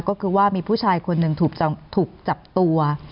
ก็คือว่ามีผู้ชายคนดูทหุบจับตัว